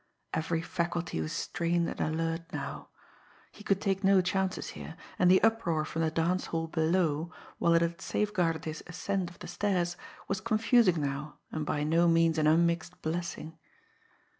Every faculty was strained and alert now. He could take no chances here, and the uproar from the dance hall below, while it had safeguarded his ascent of the stairs, was confusing now and by no means an unmixed blessing.